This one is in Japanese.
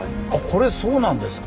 これそうなんですか。